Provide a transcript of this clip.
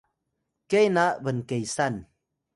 ke na bnkesan